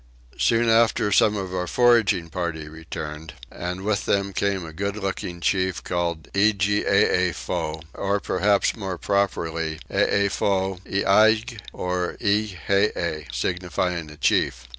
Soon after some of our foraging party returned, and with them came a good looking chief called Egijeefow, or perhaps more properly Eefow, Egij or Eghee, signifying a chief.